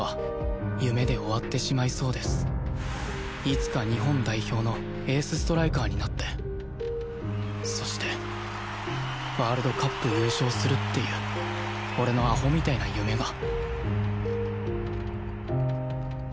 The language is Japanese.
いつか日本代表のエースストライカーになってそしてワールドカップ優勝するっていう俺のアホみたいな夢が